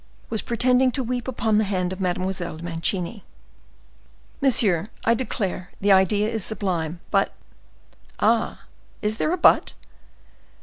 was pretending to weep upon the hand of Mademoiselle de Mancini." "Monsieur, I declare the idea is sublime. But—" "Ah! is there a but?"